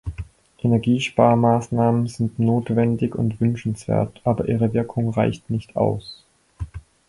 Energiesparmaßnahmen sind notwendig und wünschenswert, aber ihre Wirkung reicht nicht aus.